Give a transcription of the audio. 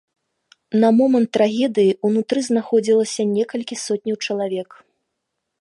На момант трагедыі ўнутры знаходзілася некалькі сотняў чалавек.